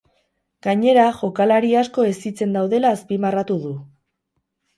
Gainera, jokalari asko hezitzen daudela azpimarratu du.